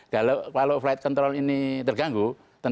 kalau flight control ini terganggu tentunya si pilot diperhatikan